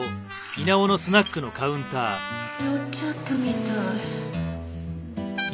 酔っちゃったみたい。